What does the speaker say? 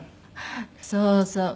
そうそう。